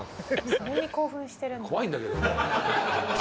それに興奮してるんだ。